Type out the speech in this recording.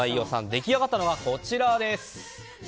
出来上がったのがこちらです。